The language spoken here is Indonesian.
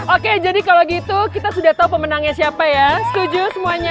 oke jadi kalau gitu kita sudah tahu pemenangnya siapa ya setuju semuanya